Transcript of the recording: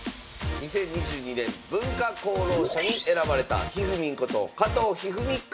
２０２２年文化功労者に選ばれたひふみんこと加藤一二三九段。